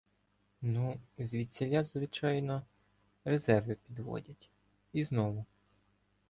Ну, звідціля, звичайно, — резерви підводять і знову